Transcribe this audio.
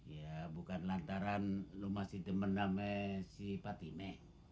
ya bukan lantaran lo masih temen nama si patime